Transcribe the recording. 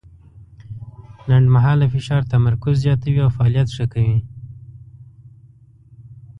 لنډمهاله فشار تمرکز زیاتوي او فعالیت ښه کوي.